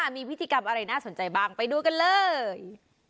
มีพิธีกรรมอะไรน่าสนใจบ้างไปดูกันเลย